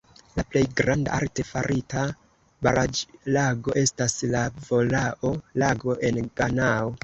La plej granda arte farita baraĵlago estas la Voltao-Lago en Ganao.